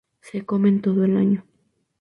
Se comen todo el año.